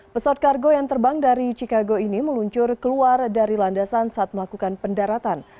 pesawat kargo yang terbang dari chicago ini meluncur keluar dari landasan saat melakukan pendaratan